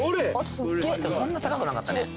すっげえそんな高くなかったね